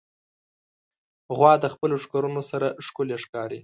غوا د خپلو ښکرونو سره ښکلي ښکاري.